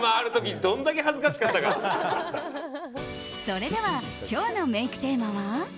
それでは今日のメイクテーマは。